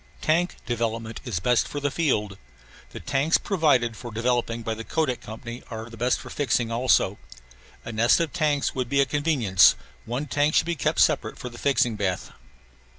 Tank development is best for the field. The tanks provided for developing by the Kodak Company are best for fixing also. A nest of tanks would be a convenience; one tank should be kept separate for the fixing bath.